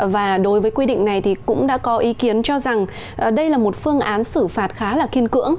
và đối với quy định này thì cũng đã có ý kiến cho rằng đây là một phương án xử phạt khá là kiên cưỡng